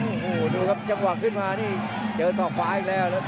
โอ้โหดูครับจังหวะขึ้นมานี่เจอศอกขวาอีกแล้วแล้ว